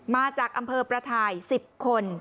มาจากอำเภอประทาย๑๐คน